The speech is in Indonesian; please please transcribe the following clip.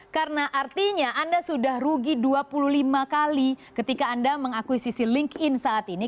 karena artinya anda sudah rugi dua puluh lima kali ketika anda mengakuisisi linkedin saat ini